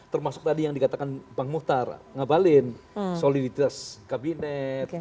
termasuk tadi yang dikatakan bang muhtar ngabalin soliditas kabinet